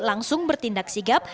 langsung bertindak sigap